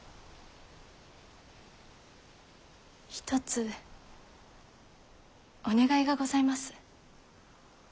一つお願いがございます。